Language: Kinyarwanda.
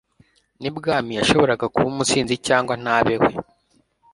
n' i Bwami ,yashoboraga kuba Umusizi cyangwa se ntabe we.